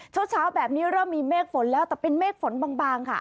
เช้าแบบนี้เริ่มมีเมฆฝนแล้วแต่เป็นเมฆฝนบางค่ะ